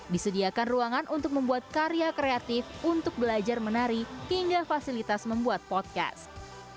disediakan ruangan untuk membuat karya kreatif untuk belajar menari hingga fasilitas membuat podcast